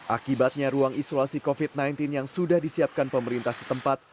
akibatnya ruang isolasi covid sembilan belas yang sudah disiapkan pemerintah setempat